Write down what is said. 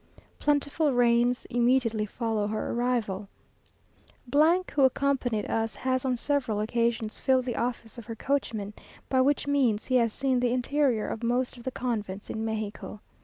Plentiful rains immediately follow her arrival. , who accompanied us, has on several occasions filled the office of her coachman, by which means he has seen the interior of most of the convents in Mexico.